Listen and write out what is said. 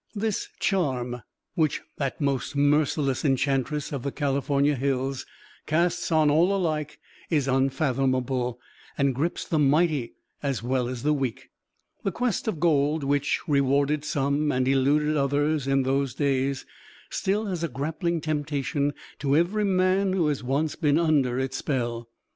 This charm, which that most merciless Enchantress of the California Hills casts on all alike, is unfathomable, and grips the mighty as well as the weak. The quest of gold, which rewarded some and eluded others in those days, still has a grappling temptation to every man who has once been under its spell.